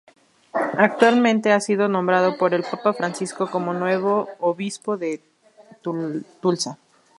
Actualmente ha sido nombrado por el papa Francisco como nuevo Obispo de Tulsa.